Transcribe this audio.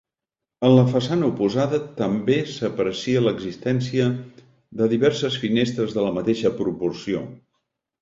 En la façana oposada també s'aprecia l'existència de diverses finestres de la mateixa proporció.